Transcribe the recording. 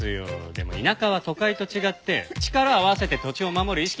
でも田舎は都会と違って力を合わせて土地を守る意識が強いんです。